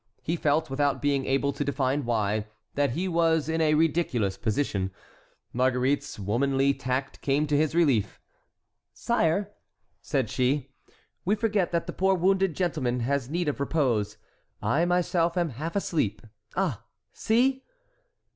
He felt, without being able to define why, that he was in a ridiculous position. Marguerite's womanly tact came to his relief. "Sire," said she, "we forget that the poor wounded gentleman has need of repose. I myself am half asleep. Ah, see!"